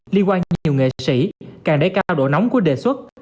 liên quan nhiều nghệ sĩ càng đẩy cao độ nóng của đề xuất